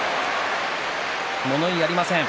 物言いはありません。